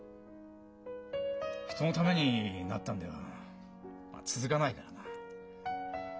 人のためになったのでは続かないからな。